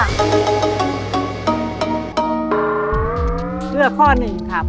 เครื่องข้อ๑ครับ